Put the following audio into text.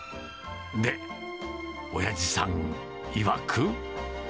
で、おやじさんいわく。